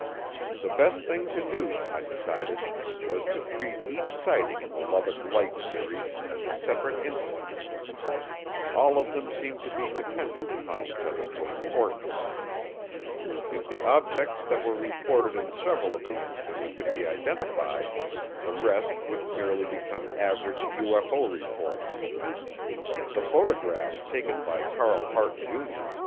The best thing to do, I decided, was to treat each sighting in the Lubbock Light series as a separate incident. All of them seemed to be dependent upon each other for importance. If the objects that were reported in several of the incidents could be identified, the rest would merely become average UFO reports. The photographs taken by Carl Hart, Jr.